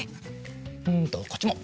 うんとこっちも。